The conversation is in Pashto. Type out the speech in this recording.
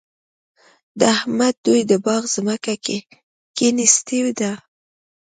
د احمد دوی د باغ ځمکه کېنستې ده.